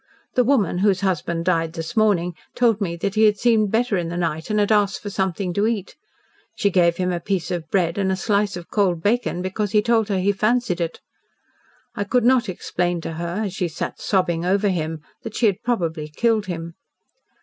The woman whose husband died this morning told me that he had seemed better in the night, and had asked for something to eat. She gave him a piece of bread and a slice of cold bacon, because he told her he fancied it. I could not explain to her, as she sat sobbing over him, that she had probably killed him.